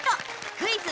「クイズ！